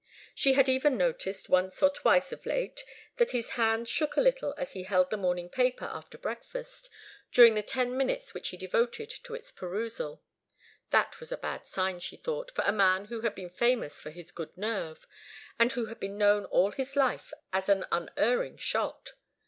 She had even noticed once or twice of late that his hand shook a little as he held the morning paper after breakfast, during the ten minutes which he devoted to its perusal. That was a bad sign, she thought, for a man who had been famous for his good nerve, and who had been known all his life as an unerring shot.